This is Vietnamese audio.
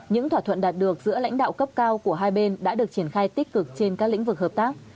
những thỏa thuận đạt được giữa lãnh đạo cấp cao của hai bên đã được triển khai tích cực trên các lĩnh vực hợp tác